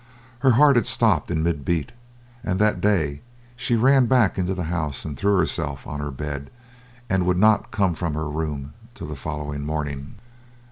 Her heart had stopped in mid beat; and that day she ran back into the house and threw herself on her bed, and would not come from her room till the following morning.